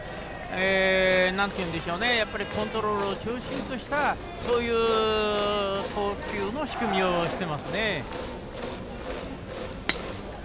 コントロールを中心としたそういう投球の仕組みをしてます。